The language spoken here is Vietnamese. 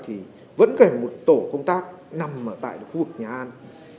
thì vẫn còn một tổ công tác nằm ở tại khu vực nhà an